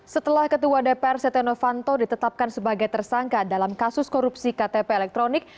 setelah ketua dpr setia novanto ditetapkan sebagai tersangka dalam kasus korupsi ktp elektronik